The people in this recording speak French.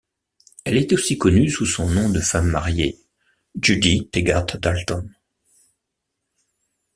Elle est aussi connue sous son nom de femme mariée, Judy Tegart-Dalton.